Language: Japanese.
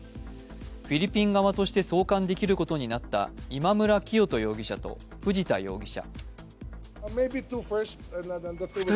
フィリピン側として送還できることになった今村磨人容疑者と藤田容疑者。